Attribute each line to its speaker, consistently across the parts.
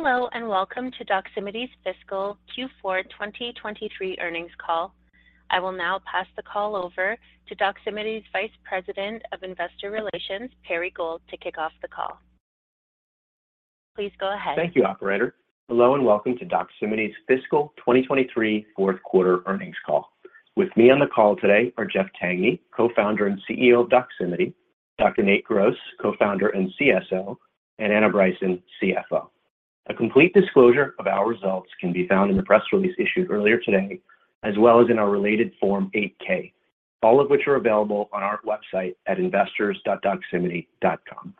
Speaker 1: Hello, welcome to Doximity's Fiscal Q4 2023 Earnings Call. I will now pass the call over to Doximity's Vice President of Investor Relations, Perry Gold, to kick off the call. Please go ahead.
Speaker 2: Thank you, operator. Welcome to Doximity's Fiscal 2023 Fourth Quarter Earnings Call. With me on the call today are Jeff Tangney; Co-founder and CEO of Doximity, Dr. Nate Gross; Co-founder and CSO, and Anna Bryson; CFO. A complete disclosure of our results can be found in the press release issued earlier today, as well as in our related Form 8-K, all of which are available on our website at investors.doximity.com.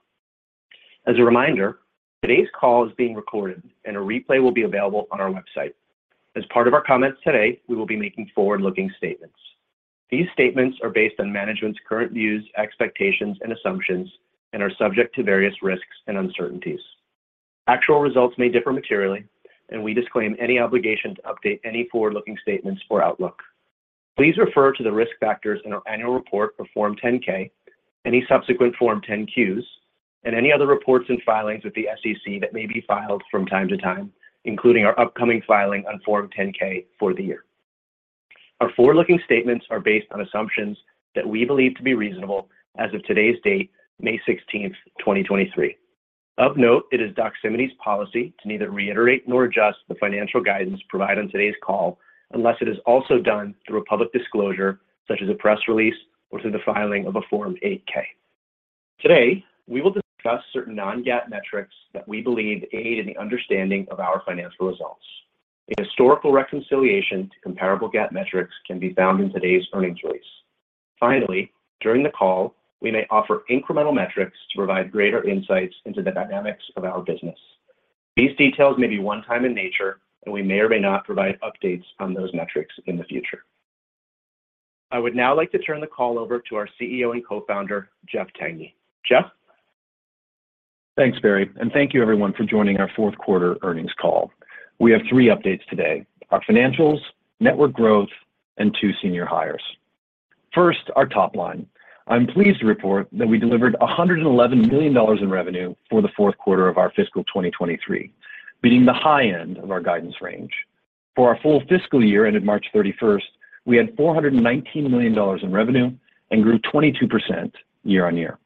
Speaker 2: As a reminder, today's call is being recorded. A replay will be available on our website. As part of our comments today, we will be making forward-looking statements. These statements are based on management's current views, expectations, and assumptions and are subject to various risks and uncertainties. Actual results may differ materially. We disclaim any obligation to update any forward-looking statements or outlook. Please refer to the risk factors in our annual report for Form 10-K, any subsequent Form 10-Qs, and any other reports and filings with the SEC that may be filed from time to time, including our upcoming filing on Form 10-K for the year. Our forward-looking statements are based on assumptions that we believe to be reasonable as of today's date, May 16th, 2023. Of note, it is Doximity's policy to neither reiterate nor adjust the financial guidance provided on today's call unless it is also done through a public disclosure such as a press release or through the filing of a Form 8-K. Today, we will discuss certain non-GAAP metrics that we believe aid in the understanding of our financial results. A historical reconciliation to comparable GAAP metrics can be found in today's earnings release. Finally, during the call, we may offer incremental metrics to provide greater insights into the dynamics of our business. These details may be one time in nature, and we may or may not provide updates on those metrics in the future. I would now like to turn the call over to our CEO and Co-founder; ,Jeff Tangney. Jeff?
Speaker 3: Thanks, Perry, and thank you everyone for joining our fourth quarter earnings call. We have three updates today: our financials, network growth, and two senior hires. First, our top line. I'm pleased to report that we delivered $111 million in revenue for the fourth quarter of our fiscal 2023, beating the high end of our guidance range. For our full fiscal year ended March 31st, we had $419 million in revenue and grew 22% year-on-year.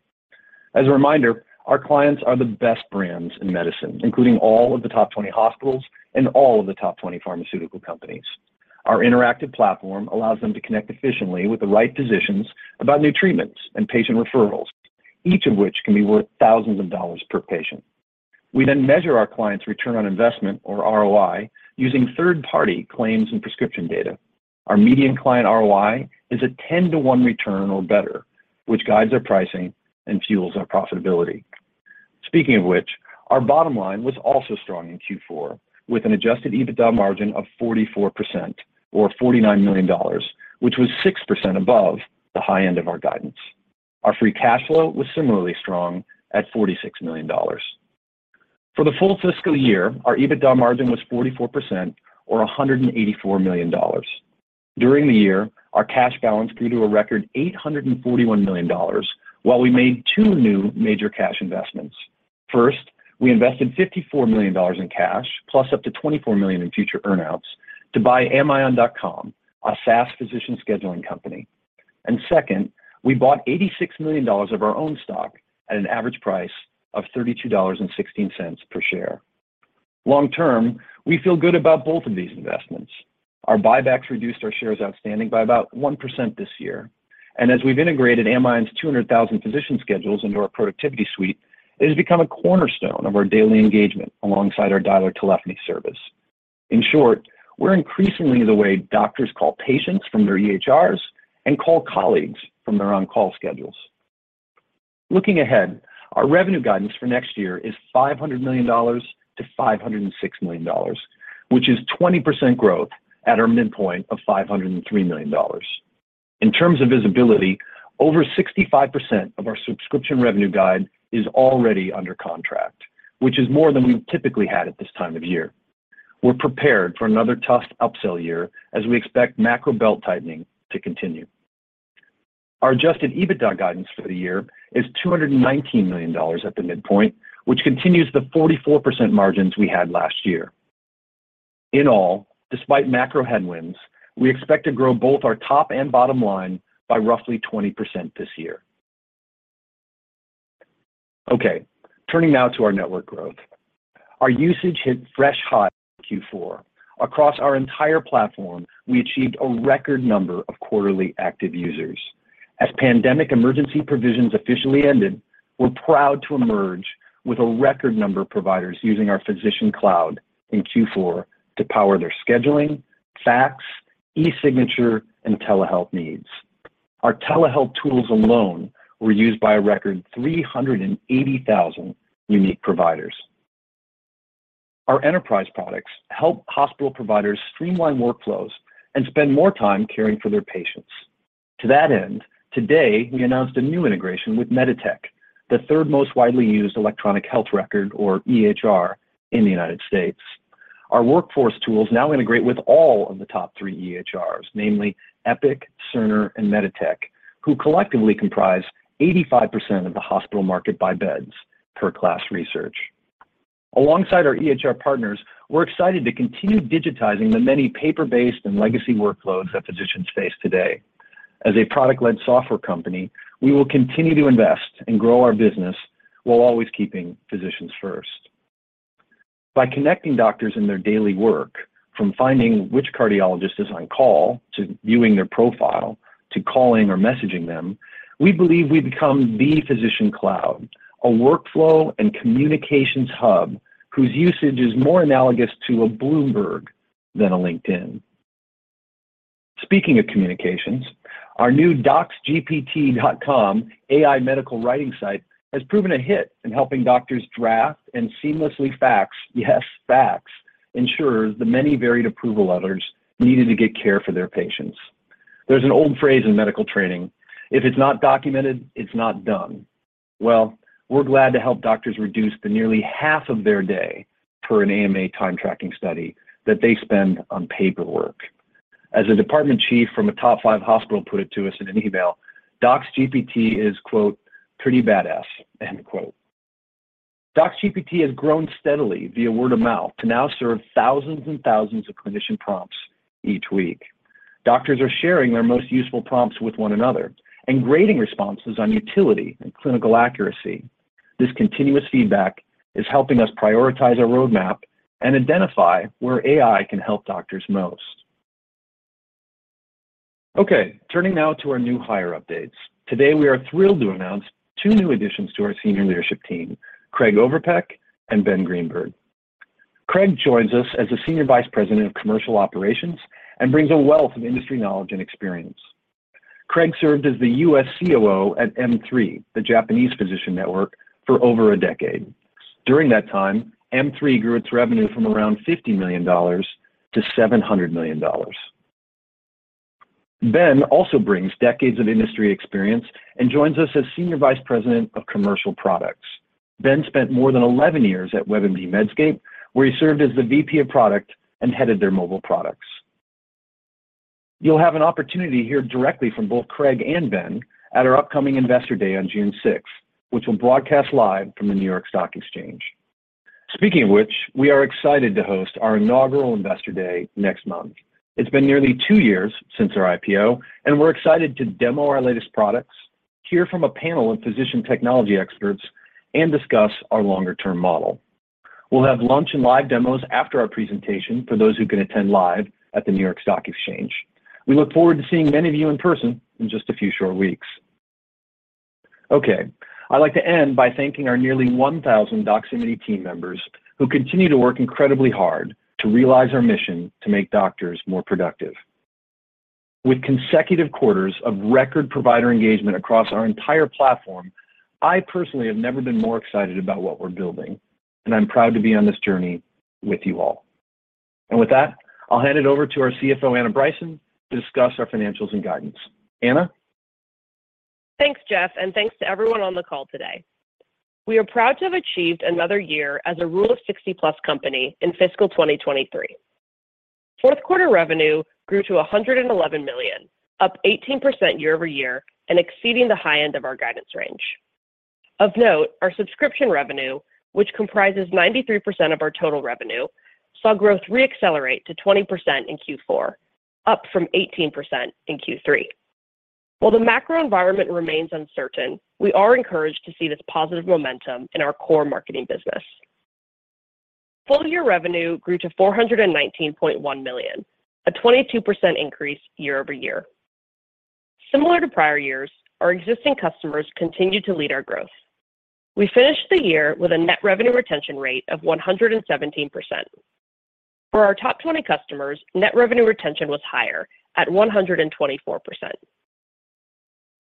Speaker 3: As a reminder, our clients are the best brands in medicine, including all of the top 20 hospitals and all of the top 20 pharmaceutical companies. Our interactive platform allows them to connect efficiently with the right physicians about new treatments and patient referrals, each of which can be worth thousands of dollars per patient. We measure our clients' return on investment or ROI using third-party claims and prescription data. Our median client ROI is a 10-to-one return or better, which guides our pricing and fuels our profitability. Speaking of which, our bottom line was also strong in Q4, with an adjusted EBITDA margin of 44% or $49 million, which was 6% above the high end of our guidance. Our free cash flow was similarly strong at $46 million. For the full fiscal year, our EBITDA margin was 44% or $184 million. During the year, our cash balance grew to a record $841 million while we made two new major cash investments. First, we invested $54 million in cash plus up to $24 million in future earn-outs to buy Amion.com, a SaaS physician scheduling company. Second, we bought $86 million of our own stock at an average price of $32.16 per share. Long term, we feel good about both of these investments. Our buybacks reduced our shares outstanding by about 1% this year, and as we've integrated Amion's 200,000 physician schedules into our productivity suite, it has become a cornerstone of our daily engagement alongside our dialer telephony service. In short, we're increasingly the way doctors call patients from their EHRs and call colleagues from their on-call schedules. Looking ahead, our revenue guidance for next year is $500 -506 million, which is 20% growth at our midpoint of $503 million. In terms of visibility, over 65% of our subscription revenue guide is already under contract, which is more than we've typically had at this time of year. We're prepared for another tough upsell year as we expect macro belt-tightening to continue. Our adjusted EBITDA guidance for the year is $219 million at the midpoint, which continues the 44% margins we had last year. Despite macro headwinds, we expect to grow both our top and bottom line by roughly 20% this year. Turning now to our network growth. Our usage hit fresh highs in Q4. Across our entire platform, we achieved a record number of quarterly active users. As pandemic emergency provisions officially ended, we're proud to emerge with a record number of providers using our Physician Cloud in Q4 to power their scheduling, fax, e-signature, and telehealth needs. Our telehealth tools alone were used by a record 380,000 unique providers. Our enterprise products help hospital providers streamline workflows and spend more time caring for their patients. To that end, today we announced a new integration with MEDITECH, the third most widely used electronic health record or EHR in the United States. Our workforce tools now integrate with all of the top three EHRs, namely Epic, Cerner, and MEDITECH, which collectively comprise 85% of the hospital market by beds per KLAS Research. Alongside our EHR partners, we're excited to continue digitizing the many paper-based and legacy workloads that physicians face today. As a product-led software company, we will continue to invest and grow our business while always keeping physicians first. By connecting doctors in their daily work, from finding which cardiologist is on call, to viewing their profile, to calling or messaging them, we believe we've become the Physician Cloud, a workflow and communications hub whose usage is more analogous to a Bloomberg than a LinkedIn. Speaking of communications, our new DocsGPT.com AI medical writing site has proven a hit in helping doctors draft and seamlessly fax, yes, ensures the many varied approval letters needed to get care for their patients. There's an old phrase in medical training, "If it's not documented, it's not done." Well, we're glad to help doctors reduce the nearly half of their day per an AMA time tracking study that they spend on paperwork. As a department chief from a top five hospital put it to us in an email, DocsGPT is quote, "pretty badass," end quote. DocsGPT has grown steadily via word of mouth to now serve thousands and thousands of clinician prompts each week. Doctors are sharing their most useful prompts with one another and grading responses on utility and clinical accuracy. This continuous feedback is helping us prioritize our roadmap and identify where AI can help doctors most. Okay, turning now to our new hire updates. Today, we are thrilled to announce two new additions to our Senior Leadership Team, Craig Overpeck and Ben Greenberg. Craig joins us as the Senior Vice President of Commercial Operations and brings a wealth of industry knowledge and experience. Craig served as the U.S. COO at M3, the Japanese physician network, for over a decade. During that time, M3 grew its revenue from around $50 million to $700 million. Ben also brings decades of industry experience and joins us as Senior Vice President of Commercial Products. Ben spent more than 11 years at WebMD/Medscape, where he served as the VP of Product and headed their mobile products. You'll have an opportunity to hear directly from both Craig and Ben at our upcoming Investor Day on June 6th, which will broadcast live from the New York Stock Exchange. Speaking of which, we are excited to host our inaugural Investor Day next month. It's been nearly two years since our IPO, and we're excited to demo our latest products, hear from a panel of physician technology experts, and discuss our longer-term model. We'll have lunch and live demos after our presentation for those who can attend live at the New York Stock Exchange. We look forward to seeing many of you in person in just a few short weeks. Okay, I'd like to end by thanking our nearly 1,000 Doximity team members who continue to work incredibly hard to realize our mission to make doctors more productive. With consecutive quarters of record provider engagement across our entire platform, I personally have never been more excited about what we're building, I'm proud to be on this journey with you all. With that, I'll hand it over to our CFO; Anna Bryson, to discuss our financials and guidance. Anna?
Speaker 4: Thanks, Jeff. Thanks to everyone on the call today. We are proud to have achieved another year as a Rule of 60+ company in fiscal 2023. Fourth quarter revenue grew to $111 million, up 18% year-over-year and exceeding the high end of our guidance range. Of note, our subscription revenue, which comprises 93% of our total revenue, saw growth re-accelerate to 20% in Q4, up from 18% in Q3. While the macro environment remains uncertain, we are encouraged to see this positive momentum in our core marketing business. Full-year revenue grew to $419.1 million, a 22% increase year-over-year. Similar to prior years, our existing customers continued to lead our growth. We finished the year with a net revenue retention rate of 117%. For our top 20 customers, net revenue retention was higher at 124%.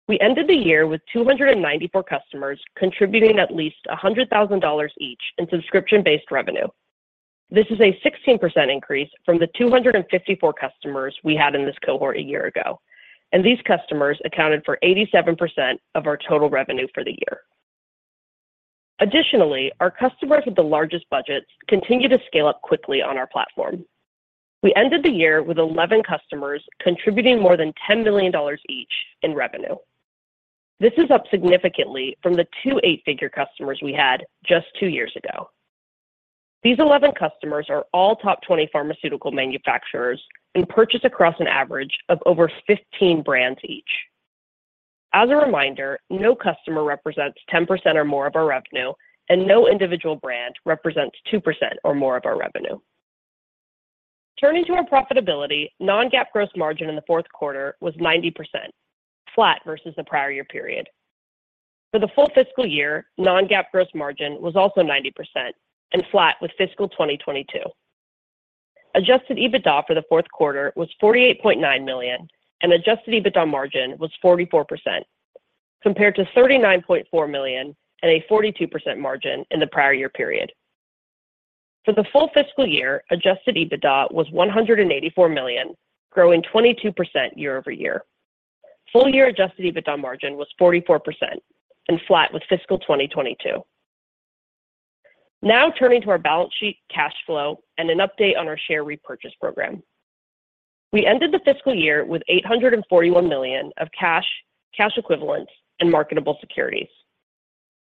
Speaker 4: We ended the year with 294 customers contributing at least $100,000 each in subscription-based revenue. This is a 16% increase from the 254 customers we had in this cohort a year ago, and these customers accounted for 87% of our total revenue for the year. Additionally, our customers with the largest budgets continue to scale up quickly on our platform. We ended the year with 11 customers contributing more than $10 million each in revenue. This is up significantly from the 2 eight-figure customers we had just two years ago. These 11 customers are all top 20 pharmaceutical manufacturers and purchase across an average of over 15 brands each. As a reminder, no customer represents 10% or more of our revenue, and no individual brand represents 2% or more of our revenue. Turning to our profitability, non-GAAP gross margin in the fourth quarter was 90%, flat versus the prior year period. For the full fiscal year, non-GAAP gross margin was also 90% and flat with fiscal 2022. Adjusted EBITDA for the fourth quarter was $48.9 million, and Adjusted EBITDA margin was 44%, compared to $39.4 million and a 42% margin in the prior year period. For the full fiscal year, Adjusted EBITDA was $184 million, growing 22% year-over-year. Full year Adjusted EBITDA margin was 44% and flat with fiscal 2022. Now turning to our balance sheet, cash flow, and an update on our share repurchase program. We ended the fiscal year with $841 million of cash equivalents, and marketable securities.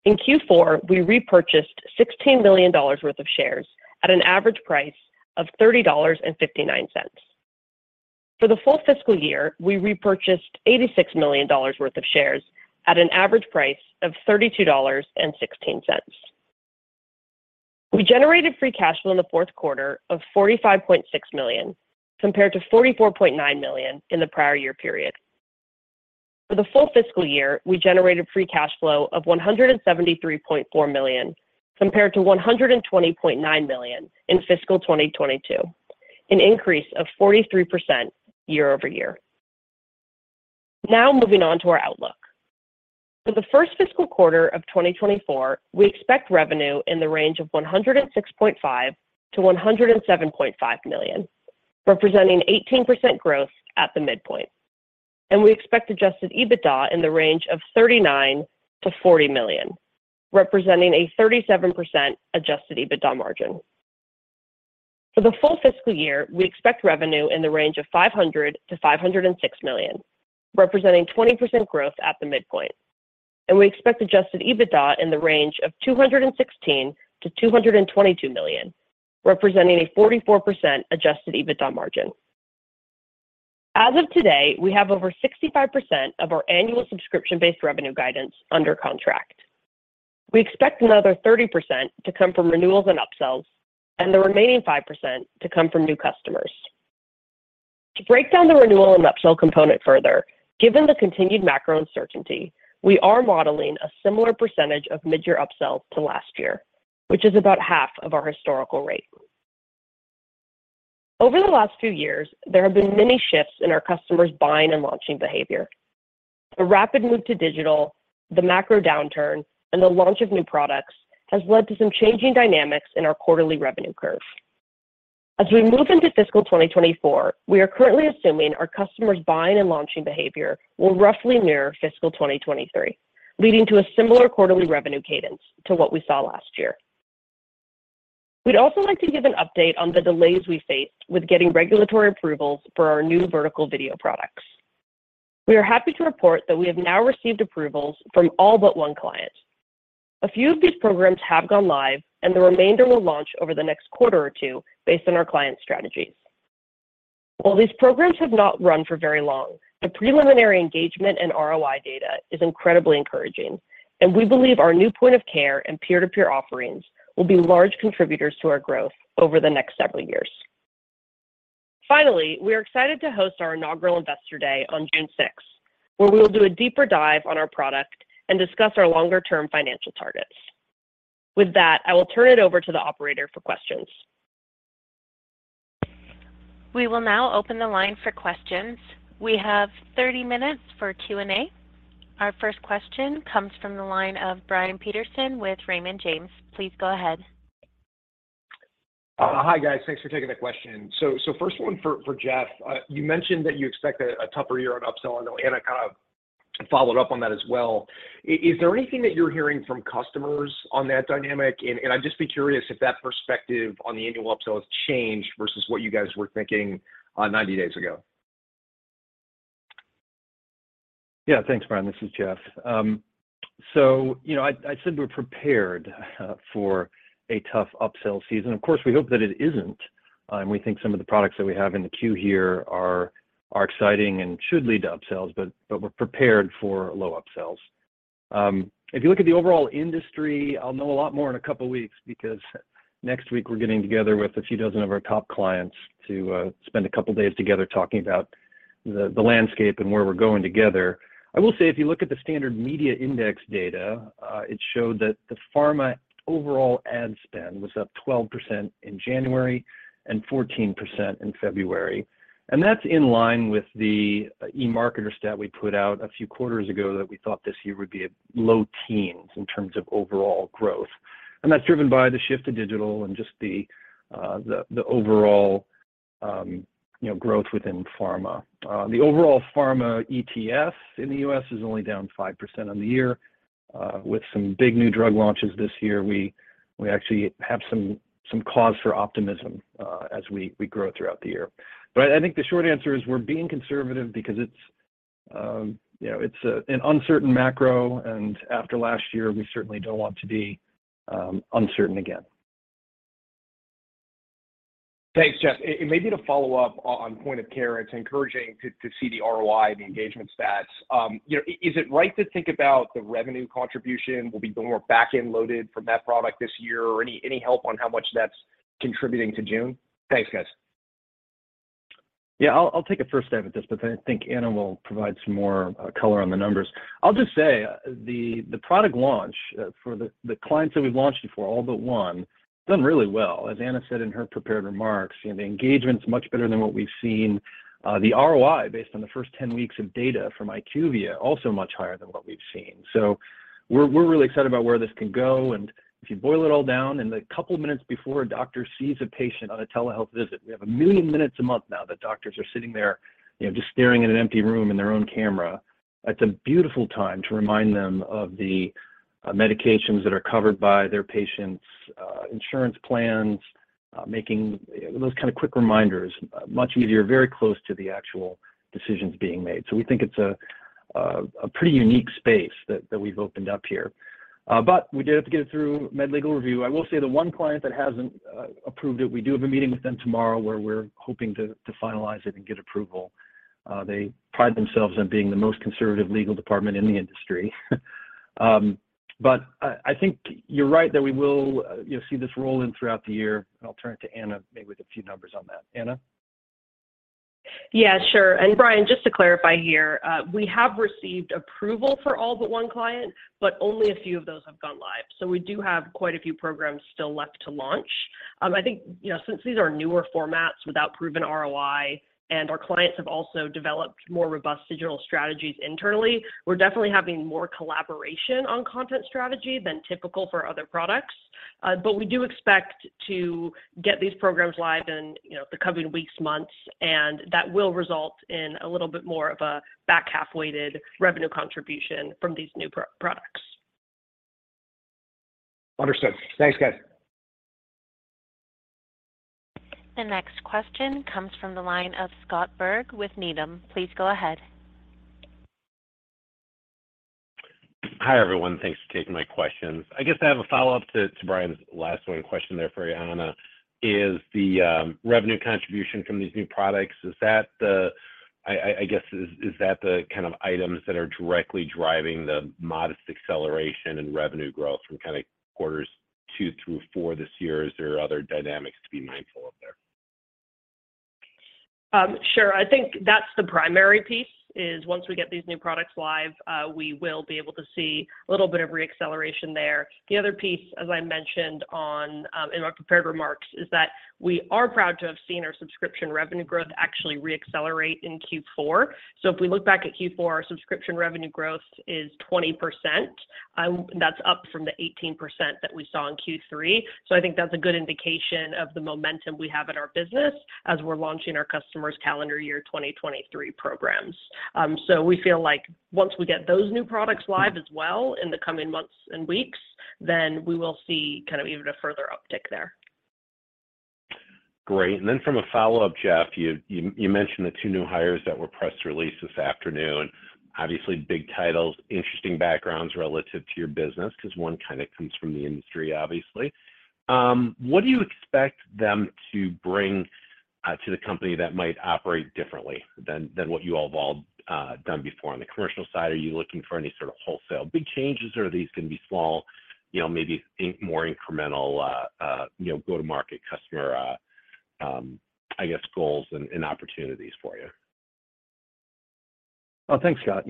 Speaker 4: In Q4, we repurchased $16 million worth of shares at an average price of $30.59. For the full fiscal year, we repurchased $86 million worth of shares at an average price of $32.16. We generated free cash flow in the fourth quarter of $45.6 million, compared to $44.9 million in the prior year period. For the full fiscal year, we generated free cash flow of $173.4 million, compared to $120.9 million in fiscal 2022, an increase of 43% year-over-year. Moving on to our outlook. For the First Fiscal Quarter of 2024, we expect revenue in the range of $106.5 -107.5 million, representing 18% growth at the midpoint. We expect adjusted EBITDA in the range of $39 -40 million, representing a 37% adjusted EBITDA margin. For the full fiscal year, we expect revenue in the range of $500 -506 million, representing 20% growth at the midpoint. We expect adjusted EBITDA in the range of $216 -222 million, representing a 44% adjusted EBITDA margin. As of today, we have over 65% of our annual subscription-based revenue guidance under contract. We expect another 30% to come from renewals and upsells, and the remaining 5% to come from new customers. To break down the renewal and upsell component further, given the continued macro uncertainty, we are modeling a similar percentage of mid-year upsells to last year, which is about half of our historical rate. Over the last few years, there have been many shifts in our customers' buying and launching behavior. The rapid move to digital, the macro downturn, and the launch of new products has led to some changing dynamics in our quarterly revenue curve. As we move into fiscal 2024, we are currently assuming our customers' buying and launching behavior will roughly mirror fiscal 2023, leading to a similar quarterly revenue cadence to what we saw last year. We'd also like to give an update on the delays we faced with getting regulatory approvals for our new vertical video products. We are happy to report that we have now received approvals from all but one client. A few of these programs have gone live, and the remainder will launch over the next quarter or two based on our clients' strategies. While these programs have not run for very long, the preliminary engagement and ROI data is incredibly encouraging, and we believe our new point of care and peer-to-peer offerings will be large contributors to our growth over the next several years. Finally, we are excited to host our inaugural Investor Day on June sixth, where we will do a deeper dive on our product and discuss our longer-term financial targets. With that, I will turn it over to the operator for questions.
Speaker 1: We will now open the line for questions. We have 30 minutes for Q&A. Our first question comes from the line of Brian Peterson with Raymond James. Please go ahead.
Speaker 5: Hi, guys. Thanks for taking the question. First one for Jeff. You mentioned that you expect a tougher year on upsell. I know Anna kind of followed up on that as well. Is there anything that you're hearing from customers on that dynamic? I'd just be curious if that perspective on the annual upsell has changed versus what you guys were thinking, 90 days ago. Thanks, Brian. This is Jeff. You know, I said we're prepared for a tough upsell season. Of course, we hope that it isn't, we think some of the products that we have in the queue here are exciting and should lead to upsells, but we're prepared for low upsells. If you look at the overall industry, I'll know a lot more in two weeks because next week we're getting together with a few dozen of our top clients to spend two days together talking about the landscape and where we're going together. I will say, if you look at the Standard Media Index data, it showed that the pharma overall ad spend was up 12% in January and 14% in February.
Speaker 3: That's in line with the eMarketer stat we put out a few quarters ago that we thought this year would be a low teens in terms of overall growth. That's driven by the shift to digital and just the overall, you know, growth within pharma. The overall pharma ETF in the U.S. is only down 5% on the year. With some big new drug launches this year, we actually have some cause for optimism as we grow throughout the year. I think the short answer is we're being conservative because it's, you know, it's an uncertain macro, and after last year, we certainly don't want to be uncertain again.
Speaker 5: Thanks, Jeff. Maybe to follow up on point of care, it's encouraging to see the ROI, the engagement stats. You know, is it right to think about the revenue contribution will be more back-end loaded from that product this year? Any help on how much that's contributing to June? Thanks, guys.
Speaker 3: Yeah. I'll take a first stab at this, but then I think Anna will provide some more color on the numbers. I'll just say, the product launch for the clients that we've launched it for, all but one, done really well. As Anna said in her prepared remarks, you know, the engagement's much better than what we've seen. The ROI based on the first 10 weeks of data from IQVIA, also much higher than what we've seen. We're really excited about where this can go, and if you boil it all down, in the couple minutes before a doctor sees a patient on a telehealth visit, we have 1 million minutes a month now that doctors are sitting there, you know, just staring at an empty room and their own camera. That's a beautiful time to remind them of the medications that are covered by their patients' insurance plans, making those kind of quick reminders much easier, very close to the actual decisions being made. We think it's a pretty unique space that we've opened up here. We did have to get it through med legal review. I will say the one client that hasn't approved it, we do have a meeting with them tomorrow where we're hoping to finalize it and get approval. They pride themselves on being the most conservative legal department in the industry. I think you're right that we will, you'll see this roll in throughout the year, and I'll turn it to Anna maybe with a few numbers on that. Anna?
Speaker 4: Yeah, sure. Brian, just to clarify here, we have received approval for all but one client, but only a few of those have gone live. We do have quite a few programs still left to launch. I think, you know, since these are newer formats without proven ROI and our clients have also developed more robust digital strategies internally, we're definitely having more collaboration on content strategy than typical for other products. We do expect to get these programs live in, you know, the coming weeks and months, and that will result in a little bit more of a back-half weighted revenue contribution from these new products.
Speaker 3: Understood. Thanks, guys.
Speaker 1: The next question comes from the line of Scott Berg with Needham. Please go ahead.
Speaker 6: Hi, everyone. Thanks for taking my questions. I guess I have a follow-up to Brian's last question there for Anna. Is the revenue contribution from these new products, is that the kind of items that are directly driving the modest acceleration in revenue growth from kind of quarters two through four this year? Arethat there other dynamics to be mindful of there?
Speaker 4: Sure. I think that's the primary piece, is once we get these new products live, we will be able to see a little bit of reacceleration there. The other piece, as I mentioned on in our prepared remarks, is that we are proud to have seen our subscription revenue growth actually reaccelerate in Q4. If we look back at Q4, our subscription revenue growth is 20%. That's up from the 18% that we saw in Q3. I think that's a good indication of the momentum we have in our business as we're launching our customers' calendar year 2023 programs. We feel like once we get those new products live as well in the coming months and weeks, then we will see kind of even a further uptick there.
Speaker 6: Great. From a follow-up, Jeff, you mentioned the two new hires that were press released this afternoon. Obviously, big titles, interesting backgrounds relative to your business, 'cause one kind of comes from the industry, obviously. What do you expect them to bring to the company that might operate differently than what you all have done before? On the commercial side, are you looking for any sort of wholesale big changes, or are these gonna be small, you know, maybe more incremental, you know, go-to-market customer, I guess, goals and opportunities for you?
Speaker 3: Oh, thanks, Scott.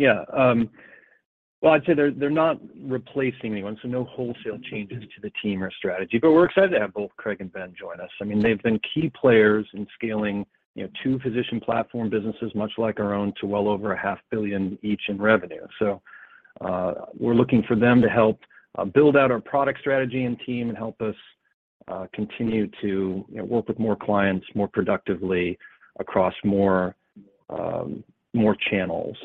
Speaker 3: Well, I'd say they're not replacing anyone, so no wholesale changes to the team or strategy. We're excited to have both Craig and Ben join us. I mean, they've been key players in scaling, you know, two physician platform businesses, much like our own, to well over a half billion each in revenue. We're looking for them to help build out our product strategy and team and help us continue to, you know, work with more clients more productively across more channels.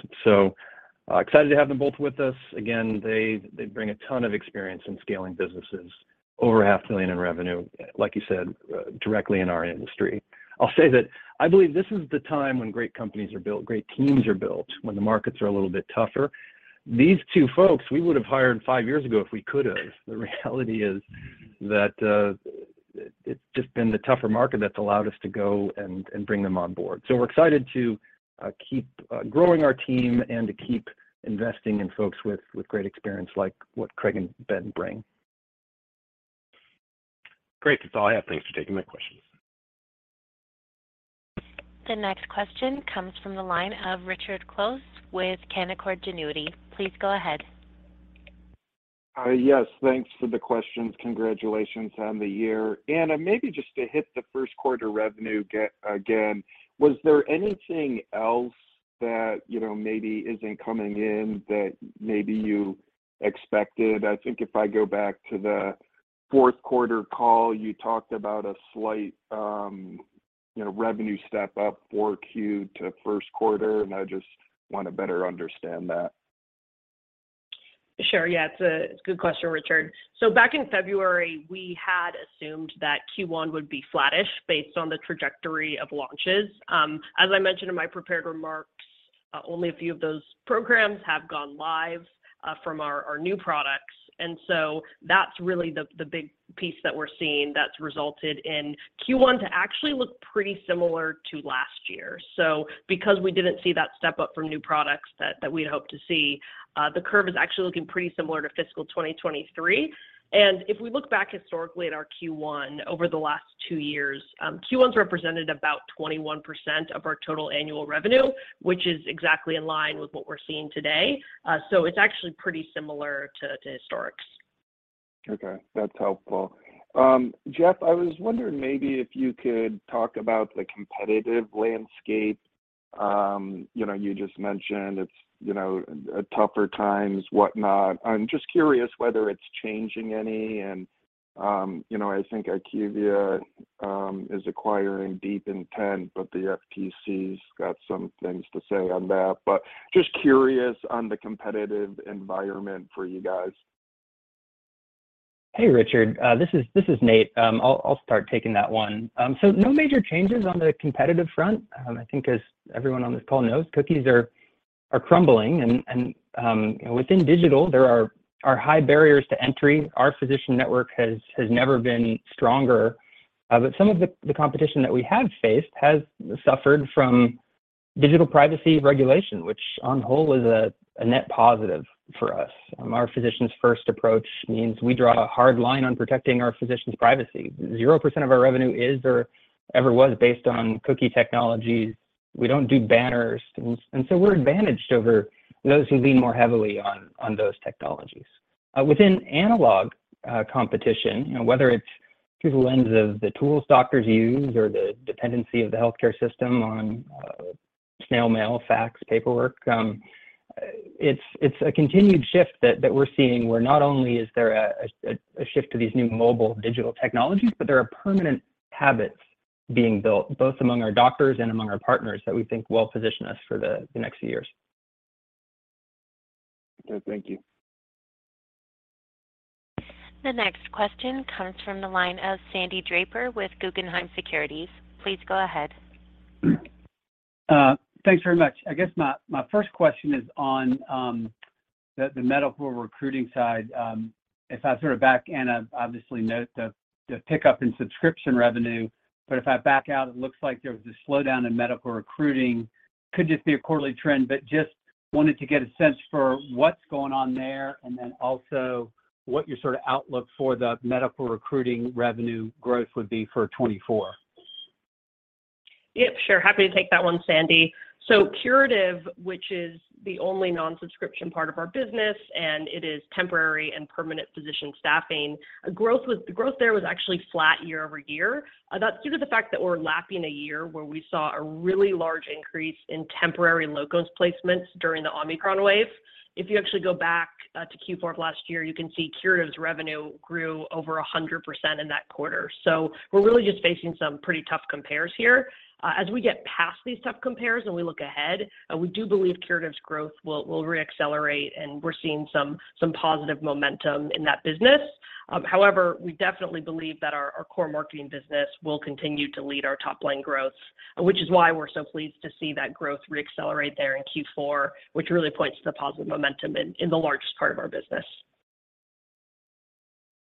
Speaker 3: Excited to have them both with us. Again, they bring a ton of experience in scaling businesses over a half million in revenue, like you said, directly in our industry. I'll say that I believe this is the time when great companies are built, great teams are built, when the markets are a little bit tougher. These two folks, we would have hired five years ago if we could have. The reality is that it's just been the tougher market that's allowed us to go and bring them on board. We're excited to keep growing our team and to keep investing in folks with great experience like what Craig and Ben bring.
Speaker 6: Great. That's all I have. Thanks for taking my questions.
Speaker 1: The next question comes from the line of Richard Close with Canaccord Genuity. Please go ahead.
Speaker 7: Thanks for the questions. Congratulations on the year. Anna, maybe just to hit the first quarter revenue again, was there anything else that, you know, maybe isn't coming in that maybe you expected? I think if I go back to the fourth quarter call, you talked about a slight, you know, revenue step up for Q to first quarter, and I just wanna better understand that.
Speaker 4: Sure, yeah. It's a good question, Richard. Back in February, we had assumed that Q1 would be flattish based on the trajectory of launches. As I mentioned in my prepared remarks, only a few of those programs have gone live from our new products. That's really the big piece that we're seeing that's resulted in Q1 to actually look pretty similar to last year. Because we didn't see that step up from new products that we'd hoped to see, the curve is actually looking pretty similar to fiscal 2023. If we look back historically at our Q1 over the last two years, Q1's represented about 21% of our total annual revenue, which is exactly in line with what we're seeing today. It's actually pretty similar to historics.
Speaker 7: Okay, that's helpful. Jeff, I was wondering maybe if you could talk about the competitive landscape. You know, you just mentioned it's, you know, and tougher times, whatnot. I'm just curious whether it's changing any, and you know, I think IQVIA is acquiring DeepIntent, but the FTC's got some things to say on that. Just curious on the competitive environment for you guys.
Speaker 8: Hey, Richard. This is Nate. I'll start taking that one. No major changes on the competitive front. I think as everyone on this call knows, cookies are crumbling and, you know, within digitthe al there are high barriers to entry. Our physician network has never been stronger. Some of the competition that we have faced has suffered from digital privacy regulation, which on whole is a net positive for us. Our physicians' first approach means we draw a hard line on protecting our physicians' privacy. 0% of our revenue is or ever was based on cookie technologies. We don't do banners. We're advantaged over those who lean more heavily on those technologies. Within analog competition, you know, whether it's through the lens of the tools doctors use or the dependency of the healthcare system on snail mail, fax, paperwork, it's a continued shift that we're seeing where not only is there a shift to these new mobile digital technologies, but there are permanent habits being built both among our doctors and among our partners that we think will position us for the next few years.
Speaker 7: Okay. Thank you.
Speaker 1: The next question comes from the line of Sandy Draper with Guggenheim Securities. Please go ahead.
Speaker 9: Thanks very much. I guess my first question is on the medical recruiting side. If I sort of back Anna, obviously note the pickup in subscription revenue, but if I back out, it looks like there was a slowdown in medical recruiting. Could just be a quarterly trend, but just wanted to get a sense for what's going on there and then also what your sort of outlook for the medical recruiting revenue growth would be for 2024.
Speaker 4: Yep, sure. Happy to take that one, Sandy. Curative, which is the only non-subscription part of our business, and it is temporary and permanent physician staffing, growth there was actually flat year-over-year. That's due to the fact that we're lapping a year where we saw a really large increase in temporary locums placements during the Omicron wave. If you actually go back to Q4 of last year, you can see Curative's revenue grew over 100% in that quarter. We're really just facing some pretty tough compares here. As we get past these tough compares and we look ahead, we do believe Curative's growth will reaccelerate, and we're seeing some positive momentum in that business. We definitely believe that our core marketing business will continue to lead our top line growth, which is why we're so pleased to see that growth reaccelerate there in Q4, which really points to the positive momentum in the largest part of our business.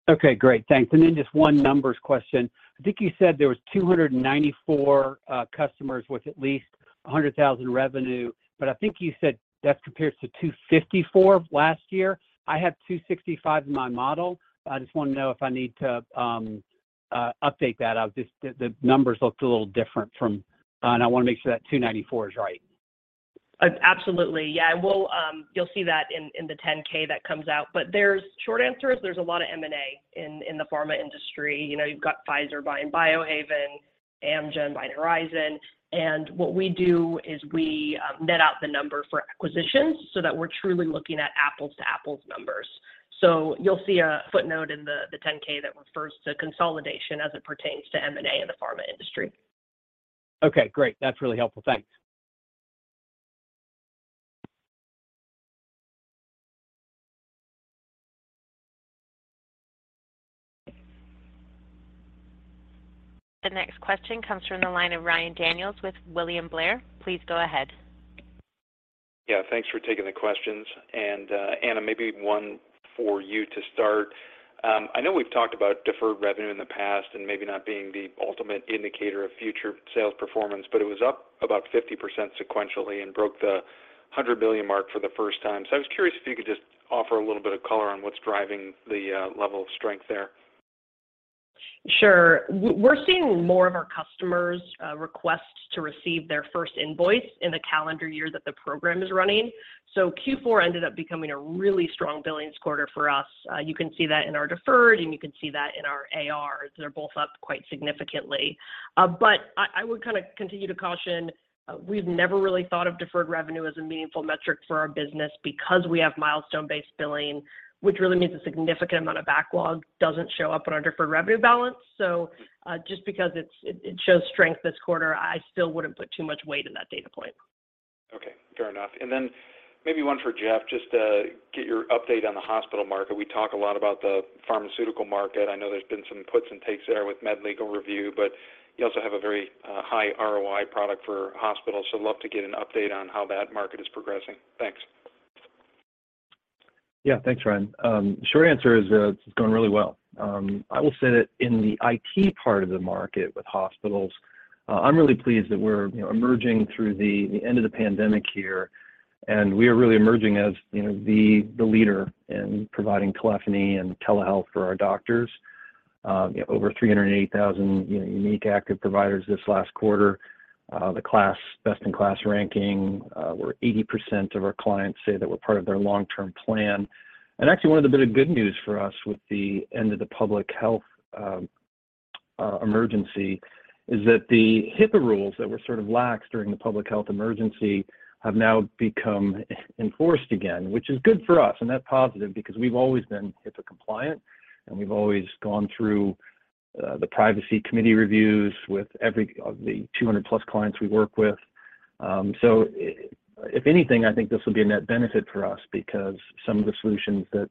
Speaker 9: Okay. Great. Thanks. Just one numbers question. I think you said there was 294 customers with at least $100,000 revenue, but I think you said that compares to 254 last year. I have 265 in my model. I just wanna know if I need to update that. The numbers looked a little different from, and I wanna make sure that 294 is right.
Speaker 4: Absolutely. Yeah. We'll see that in the 10-K that comes out. short answer is there's a lot of M&A in the pharma industry. You know, you've got Pfizer buying Biohaven, Amgen buying Horizon. What we do is we net out the number for acquisitions so that we're truly looking at apples to apples numbers. You'll see a footnote in the 10-K that refers to consolidation as it pertains to M&A in the pharma industry.
Speaker 9: Okay, great. That's really helpful. Thanks.
Speaker 1: The next question comes from the line of Ryan Daniels with William Blair. Please go ahead.
Speaker 10: Yeah. Thanks for taking the questions. Anna, maybe one for you to start. I know we've talked about deferred revenue in the past and maybe not being the ultimate indicator of future sales performance, but it was up about 50% sequentially and broke the $100 billion mark for the first time. I was curious if you could just offer a little bit of color on what's driving the level of strength there.
Speaker 4: Sure. We're seeing more of our customers request to receive their first invoice in the calendar year that the program is running. Q4 ended up becoming a really strong billings quarter for us. You can see that in our deferred, and you can see that in our AR. They're both up quite significantly. I would kinda continue to caution, we've never really thought of deferred revenue as a meaningful metric for our business because we have milestone-based billing, which really means a significant amount of backlog doesn't show up in our deferred revenue balance. Just because it shows strength this quarter, I still wouldn't put too much weight in that data point.
Speaker 10: Okay. Fair enough. Then maybe one for Jeff, just to get your update on the hospital market. We talk a lot about the pharmaceutical market. I know there's been some puts and takes there with med legal review, but you also have a very high ROI product for hospitals. Love to get an update on how that market is progressing. Thanks.
Speaker 8: Yeah. Thanks, Ryan. Short answer is, it's going really well. I will say that in the IT part of the market with hospitals, I'm really pleased that we're, you know, emerging through the end of the pandemic here. We are really emerging as, you know, the leader in providing telephony and telehealth for our doctors.
Speaker 3: Yeah, over 308,000 unique active providers this last quarter. The best-in-class ranking, where 80% of our clients say that we're part of their long-term plan. Actually, one of the bit of good news for us with the end of the public health emergency is that the HIPAA rules that were sort of lax during the public health emergency have now become enforced again, which is good for us, and net positive because we've always been HIPAA compliant, and we've always gone through the privacy committee reviews with every of the 200+ clients we work with. If anything, I think this will be a net benefit for us because some of the solutions that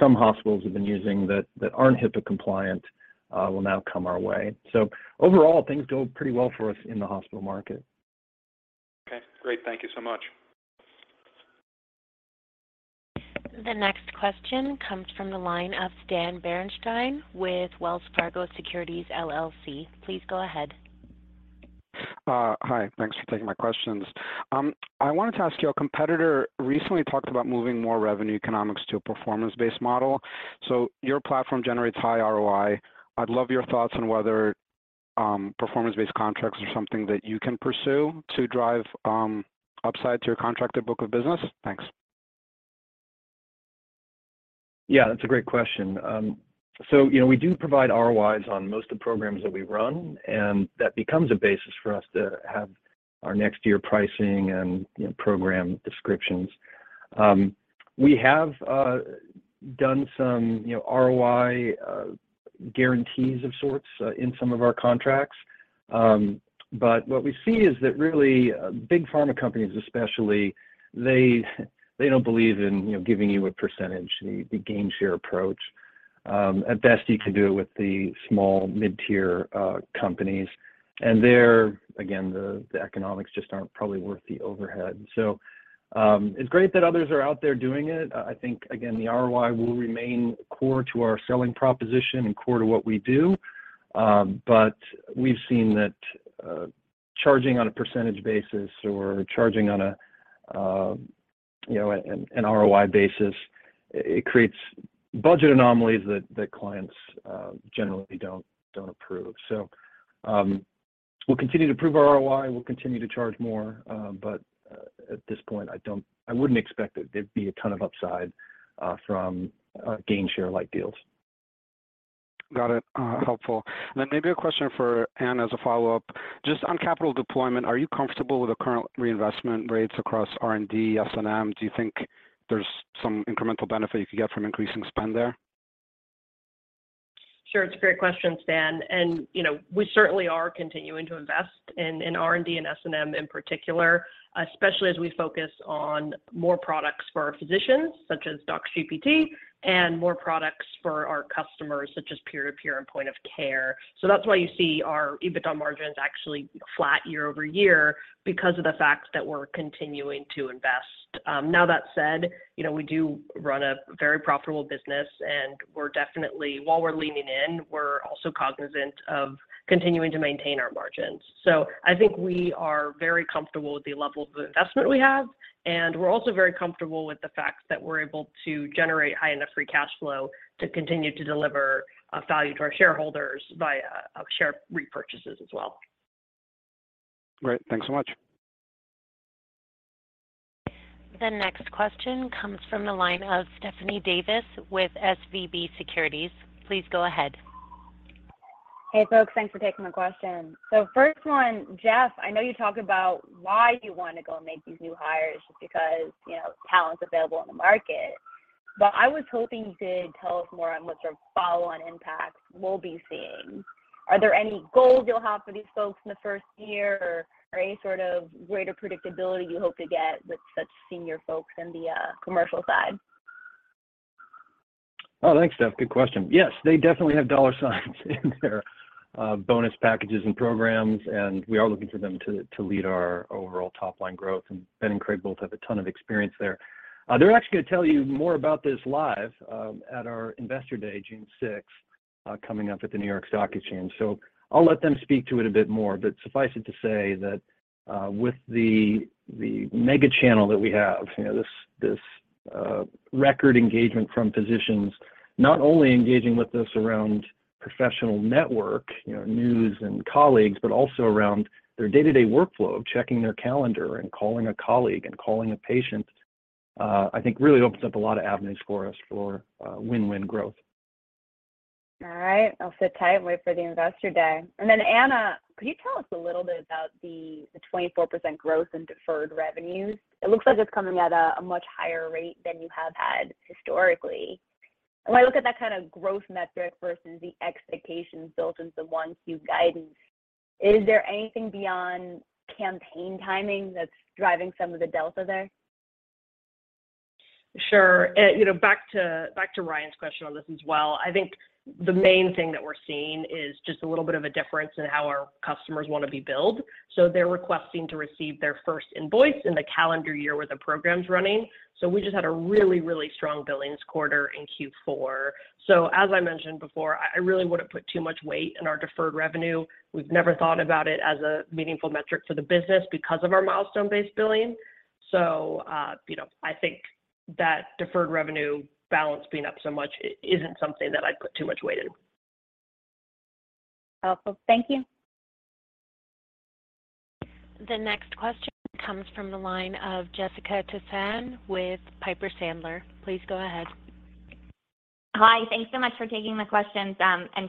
Speaker 3: some hospitals have been using that aren't HIPAA compliant will now come our way. Overall, things go pretty well for us in the hospital market.
Speaker 1: Okay, great. Thank you so much. The next question comes from the line of Ryan Daniels with Wells Fargo Securities, LLC. Please go ahead.
Speaker 11: Hi. Thanks for taking my questions. I wanted to ask you, a competitor recently talked about moving more revenue economics to a performance-based model. Your platform generates high ROI. I'd love your thoughts on whether performance-based contracts are something that you can pursue to drive upside to your contracted book of business. Thanks.
Speaker 3: Yeah, that's a great question. You know, we do provide ROIs on most of the programs that we run, and that becomes a basis for us to have our next year's pricing and, you know, program descriptions. We have done some, ROI guarantees of sorts in some of our contracts. What we see is that really big pharma companies, especially, they don't believe in, you know, giving you a percentage, the gain share approach. At best, you can do it with the small mid-tier companies. There, again, the economics just aren't probably worth the overhead. It's great that others are out there doing it. I think, again, the ROI will remain core to our selling proposition and core to what we do. We've seen that charging on a % basis or charging on a, you know, an ROI basis, it creates budget anomalies that clients generally don't approve. We'll continue to prove our ROI, we'll continue to charge more. At this point, I wouldn't expect that there'd be a ton of upside from gain share like deals.
Speaker 11: Got it. helpful. Maybe a question for Anna as a follow-up. Just on capital deployment, are you comfortable with the current reinvestment rates across R&D, S&M? Do you think there's some incremental benefit you could get from increasing spend there?
Speaker 4: Sure. It's a great question, Stan. You know, we certainly are continuing to invest in R&D and S&M in particular, especially as we focus on more products for our physicians, such as DocsGPT, and more products for our customers, such as peer-to-peer and point of care. That's why you see our EBITDA margins actually flat year-over-year because of the fact that we're continuing to invest. Now that said, you know, we do run a very profitable business, and we're definitely, while we're leaning in, we're also cognizant of continuing to maintain our margins. I think we are very comfortable with the level of investment we have, and we're also very comfortable with the fact that we're able to generate high enough free cash flow to continue to deliver value to our shareholders via share repurchases as well.
Speaker 11: Great. Thanks so much.
Speaker 1: The next question comes from the line of Stephanie Davis with SVB Securities. Please go ahead.
Speaker 12: Hey, folks. Thanks for taking my question. First one, Jeff, I know you talked about why you wanna go make these new hires just because, you know, talent's available in the market. I was hoping you could tell us more on what sort of follow-on impacts we'll be seeing. Are there any goals you'll have for these folks in the first year or any sort of greater predictability you hope to get with such senior folks in the commercial side?
Speaker 3: Thanks, Steph. Good question. Yes, they definitely have dollar signs in their bonus packages and programs, we are looking for them to lead our overall top-line growth. Ben and Craig both have a ton of experience there. They're actually gonna tell you more about this live at our Investor Day, June sixth, coming up at the New York Stock Exchange. I'll let them speak to it a bit more, but suffice it to say that with the mega channel that we have, you know, this record engagement from physicians, not only engaging with us around professional network, you know, news and colleagues, but also around their day-to-day workflow of checking their calendar and calling a colleague and calling a patient, I think really opens up a lot of avenues for us for win-win growth.
Speaker 12: All right. I'll sit tight and wait for the Investor Day. Anna, could you tell us a little bit about the 24% growth in deferred revenues? It looks like it's coming at a much higher rate than you have had historically. When I look at that kind of growth metric versus the expectations built into the one huge guidance, is there anything beyond campaign timing that's driving some of the delta there?
Speaker 4: Sure. you know, back to Ryan's question on this as well. I think the main thing that we're seeing is just a little bit of a difference in how our customers wanna be billed. They're requesting to receive their first invoice in the calendar year where the program's running. We just had a really, really strong billings quarter in Q4. As I mentioned before, I really wouldn't put too much weight in our deferred revenue. We've never thought about it as a meaningful metric for the business because of our milestone-based billing. you know, That deferred revenue balance being up so much isn't something that I'd put too much weight in.
Speaker 13: Helpful. Thank you.
Speaker 1: The next question comes from the line of Jess Tusa with Piper Sandler. Please go ahead.
Speaker 13: Hi. Thanks so much for taking the questions,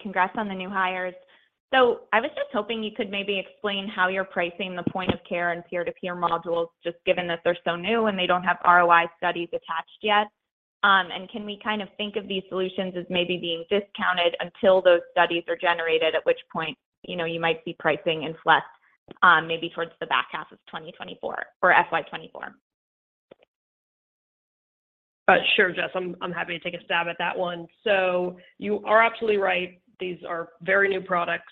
Speaker 13: congrats on the new hires. I was just hoping you could maybe explain how you're pricing the point of care and peer-to-peer modules, just given that they're so new, and they don't have ROI studies attached yet. Can we kind of think of these solutions as maybe being discounted until those studies are generated, at which point, you know, you might see pricing inflect maybe towards the back half of 2024 or FY 2024?
Speaker 4: Sure, Jess. I'm happy to take a stab at that one. You are absolutely right. These are very new products,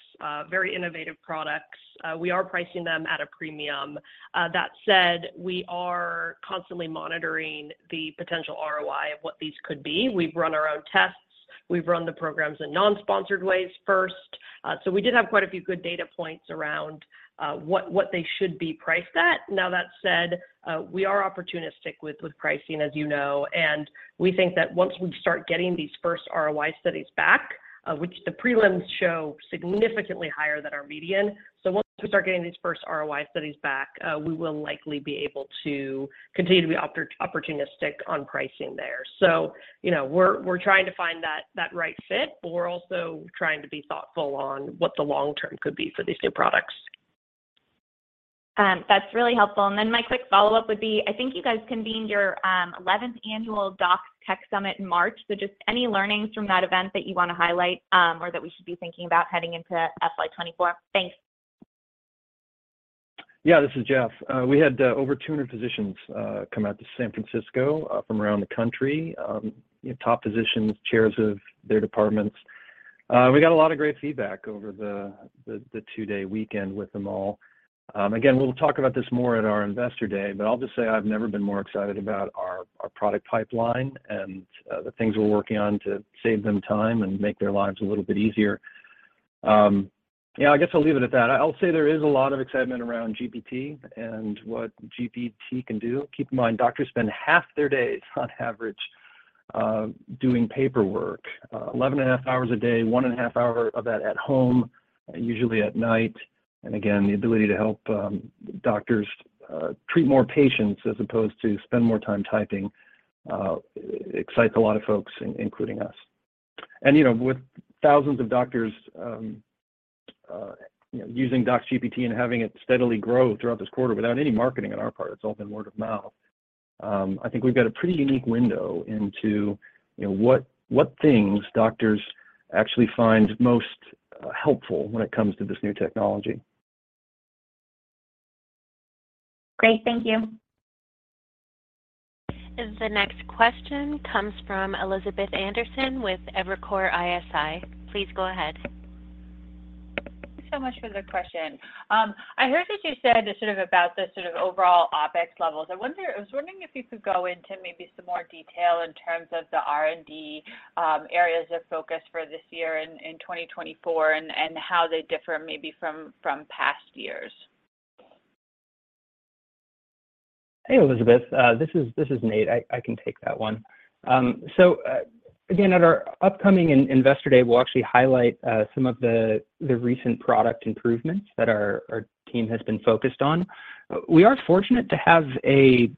Speaker 4: very innovative products. We are pricing them at a premium. That said, we are constantly monitoring the potential ROI of what these could be. We've run our own tests. We've run the programs in non-sponsored ways first. We did have quite a few good data points around what they should be priced at. Now, that said, we are opportunistic with pricing, as you know, and we think that once we start getting these first ROI studies back, which the prelims show significantly higher than our median, once we start getting these first ROI studies back, we will likely be able to continue to be opportunistic on pricing there. You know, we're trying to find that right fit, but we're also trying to be thoughtful on what the long term could be for these new products.
Speaker 13: That's really helpful. My quick follow-up would be, I think you guys convened your 11th annual DOCS Tech Summit in March, so just any learnings from that event that you wanna highlight, or that we should be thinking about heading into FY 2024? Thanks.
Speaker 3: Yeah, this is Jeff. We had over 200 physicians come out to San Francisco from around the country, top physicians, chairs of their departments. We got a lot of great feedback over the two day weekend with them all. We'll talk about this more at our Investor Day, but I'll just say I've never been more excited about our product pipeline and the things we're working on to save them time and make their lives a little bit easier. Yeah, I guess I'll leave it at that. I'll say there is a lot of excitement around GPT and what GPT can do. Keep in mind, doctors spend half their days on average doing paperwork, 11.5 hours a day, 1.5 hours of that at home, usually at night. Again, the ability to help doctors treat more patients as opposed to spend more time typing, excites a lot of folks, including us. You know, with thousands of doctors, you know, using DocsGPT and having it steadily grow throughout this quarter without any marketing on our part, it's all been word of mouth, I think we've got a pretty unique window into, you know, what things doctors actually find most helpful when it comes to this new technology.
Speaker 13: Great. Thank you.
Speaker 1: The next question comes from Elizabeth Anderson with Evercore ISI. Please go ahead.
Speaker 14: Thank you so much for the question. I heard that you said sort of about the sort of overall OpEx levels. I was wondering if you could go into maybe some more detail in terms of the R&D, areas of focus for this year in 2024 and how they differ maybe from past years.
Speaker 8: Hey, Elizabeth. This is Nate. I can take that one. Again, at our upcoming Investor Day, we'll actually highlight some of the recent product improvements that our team has been focused on. We are fortunate to have a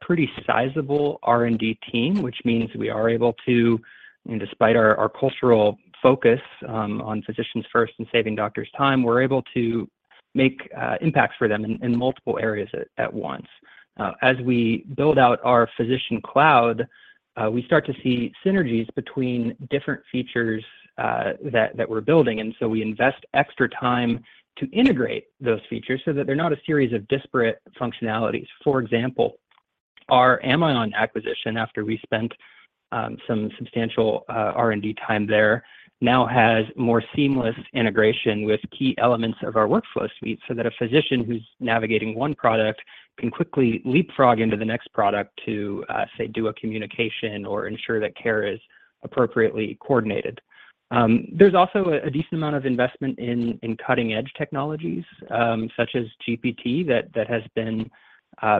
Speaker 8: pretty sizable R&D team, which means we are able to, you know, despite our cultural focus on physicians first and saving doctors time, we're able to make impacts for them in multiple areas at once. As we build out our Physician Cloud, we start to see synergies between different features that we're building, we invest extra time to integrate those features so that they're not a series of disparate functionalities. For example, our Amion acquisition, after we spent some substantial R&D time there, now has more seamless integration with key elements of our workflow suite so that a physician who's navigating one product can quickly leapfrog into the next product to say, do a communication or ensure that care is appropriately coordinated. There's also a decent amount of investment in cutting-edge technologies such as GPT that has been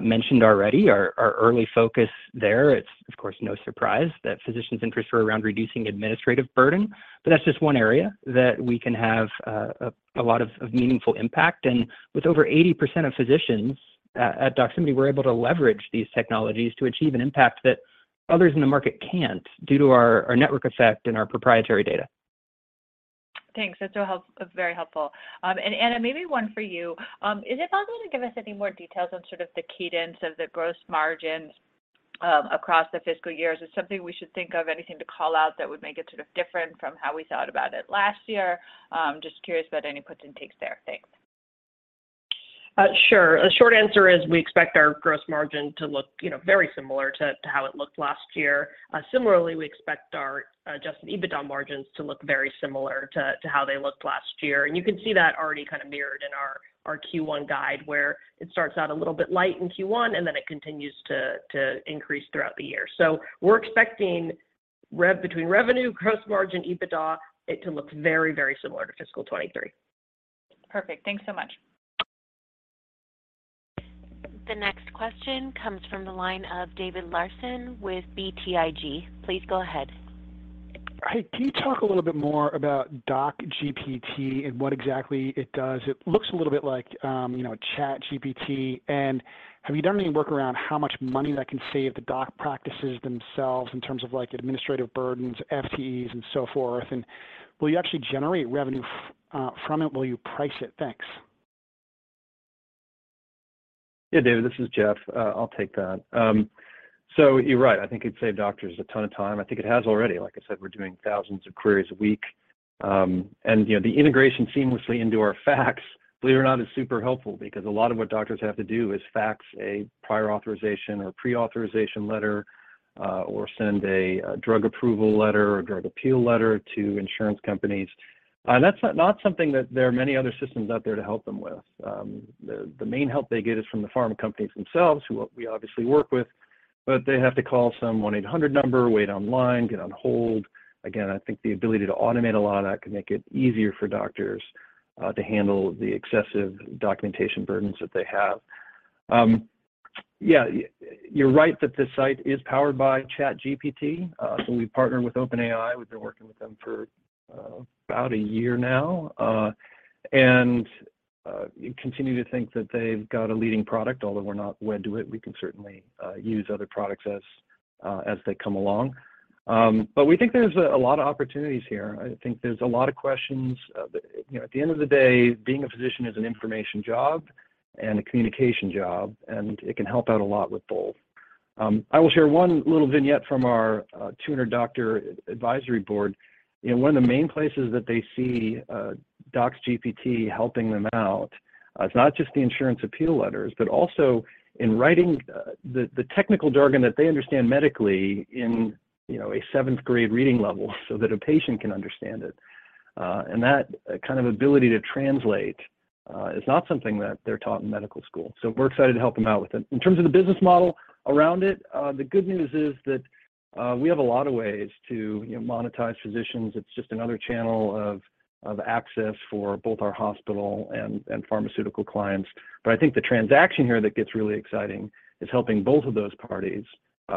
Speaker 8: mentioned already. Our early focus there, it's of course no surprise that physicians' interests were around reducing administrative burden. That's just one area that we can have a lot of meaningful impact. With over 80% of physicians at Doximity, we're able to leverage these technologies to achieve an impact that others in the market can't due to our network effect and our proprietary data.
Speaker 14: Thanks. That's very helpful. Anna, maybe one for you. Is it possible to give us any more details on sort of the cadence of the gross margins across the fiscal years? Is it something we should think of? Anything to call out that would make it sort of different from how we thought about it last year? Just curious about any puts and takes there. Thanks.
Speaker 4: Sure. A short answer is we expect our gross margin to look, you know, very similar to how it looked last year. Similarly, we expect our adjusted EBITDA margins to look very similar to how they looked last year. You can see that already kind of mirrored in our Q1 guide, where it starts out a little bit light in Q1, and then it continues to increase throughout the year. We're expecting between revenue, gross margin, EBITDA, it to look very similar to fiscal 2023.
Speaker 14: Perfect. Thanks so much.
Speaker 1: The next question comes from the line of David Larsen with BTIG. Please go ahead.
Speaker 15: Hey, can you talk a little bit more about DocsGPT and what exactly it does? It looks a little bit like, you know, ChatGPT. Have you done any work around how much money that can save the doc practices themselves in terms of, like, administrative burdens, FTEs and so forth? Will you actually generate revenue from it? Will you price it? Thanks.
Speaker 3: Yeah, David, this is Jeff. I'll take that. You're right. I think it'd save doctors a ton of time. I think it has already. Like I said, we're doing thousands of queries a week. You know, the integration seamlessly into our fax, believe it or not, is super helpful because a lot of what doctors have to do is fax a prior authorization or pre-authorization letter, or send a drug approval letter or drug appeal letter to insurance companies. That's not something that there are many other systems out there to help them with. The main help they get is from the pharma companies themselves, who we obviously work with, but they have to call some 1-800 number, wait online, get on hold. Again, I think the ability to automate a lot of that can make it easier for doctors to handle the excessive documentation burdens that they have. Yeah, you're right that this site is powered by ChatGPT. We've partnered with OpenAI. We've been working with them for about a year now, and continue to think that they've got a leading product. Although we're not wed to it, we can certainly use other products as they come along. We think there's a lot of opportunities here. I think there's a lot of questions. You know, at the end of the day, being a physician is an information job and a communication job, and it can help out a lot with both. I will share one little vignette from our 200 doctor advisory board. You know, one of the main places that they see DocsGPT helping them out, it's not just the insurance appeal letters, but also in writing the technical jargon that they understand medically in a 7th-grade reading level so that a patient can understand it. That kind of ability to translate is not something that they're taught in medical school. We're excited to help them out with it. In terms of the business model around it, the good news is that we have a lot of ways to monetize physicians. It's just another channel of access for both our hospital and pharmaceutical clients. I think the transaction here that gets really exciting is helping both of those parties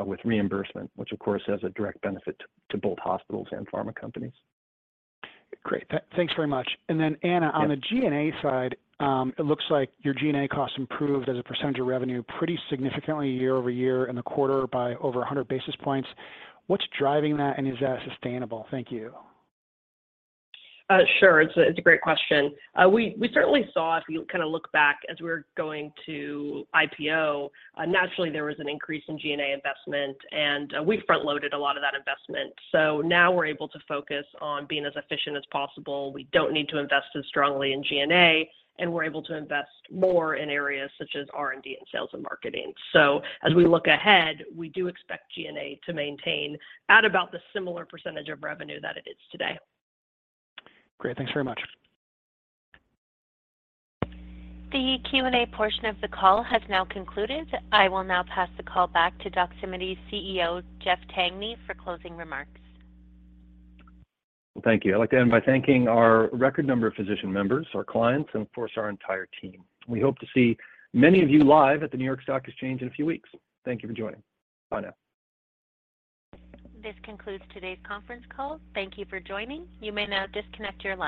Speaker 3: with reimbursement, which of course has a direct benefit to both hospitals and pharma companies.
Speaker 15: Great. Thanks very much. Anna, on the G&A side, it looks like your G&A costs improved as a percentage of revenue pretty significantly year-over-year in the quarter by over 100 basis points. What's driving that, and is that sustainable? Thank you.
Speaker 4: Sure. It's a great question. We certainly saw, if you kinda look back as we were going to IPO, naturally there was an increase in G&A investment, and we front-loaded a lot of that investment. Now we're able to focus on being as efficient as possible. We don't need to invest as strongly in G&A, and we're able to invest more in areas such as R&D and sales and marketing. As we look ahead, we do expect G&A to maintain at about the similar % of revenue that it is today.
Speaker 15: Great. Thanks very much.
Speaker 1: The Q&A portion of the call has now concluded. I will now pass the call back to Doximity CEO Jeff Tangney for closing remarks.
Speaker 3: Well, thank you. I'd like to end by thanking our record number of physician members, our clients, and of course, our entire team. We hope to see many of you live at the New York Stock Exchange in a few weeks. Thank you for joining. Bye now.
Speaker 1: This concludes today's conference call. Thank you for joining. You may now disconnect your line.